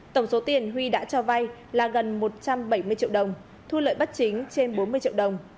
tổng số tiền huy đã cho vay là gần một trăm bảy mươi triệu đồng thu lợi bất chính trên bốn mươi triệu đồng